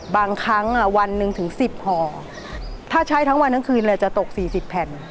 บางครั้งวันหนึ่งถึง๑๐ห่อถ้าใช้ทั้งวันทั้งคืนเลยจะตก๔๐แผ่น